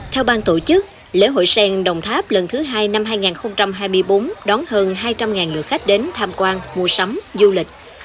theo bang tổ chức lễ hội sen đồng tháp lần thứ hai năm hai nghìn hai mươi bốn đón hơn hai trăm linh lượt khách đến tham quan mua sắm du lịch